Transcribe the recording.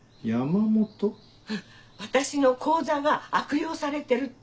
私の口座が悪用されてるって。